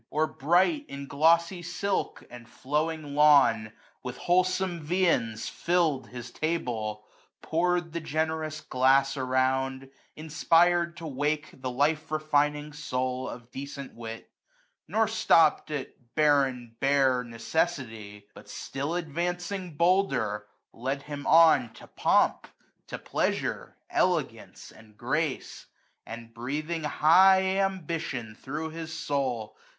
i«$ Or bright in glossy silk, and flowing lawn ; With wholesome viands fiU'd his taUe ; pour'd The generous glass around, inspired to wake The life refining soul of decent wit : Nor flopped at barren bare necessity ; 90 But flill advancing bolder, led him on To pomp, to pleasure, elegance, and grace ; And, breathing high ambition thro' his soul.